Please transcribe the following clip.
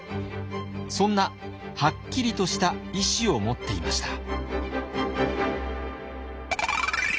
そんなはっきりとした意志を持っていました。